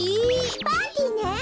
パーティーね！